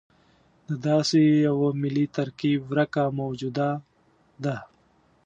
د داسې یوه ملي ترکیب ورکه موجوده ده.